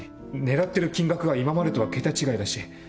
狙ってる金額が今までとは桁違いだし。